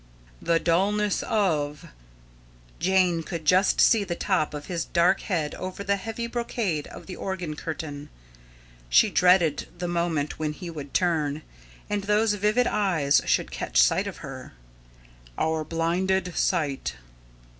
"The dulness of " Jane could just see the top of his dark head over the heavy brocade of the organ curtain. She dreaded the moment when he should turn, and those vivid eyes should catch sight of her "our blinded sight."